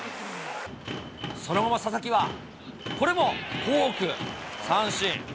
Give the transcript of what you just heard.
その後も佐々木は、これもフォーク、三振。